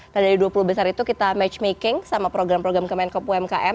nah dari dua puluh besar itu kita matchmaking sama program program kemenkop umkm